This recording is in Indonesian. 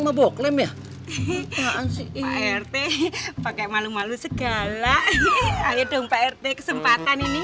pak rt pakai malu malu segala ayo dong pak rt kesempatan ini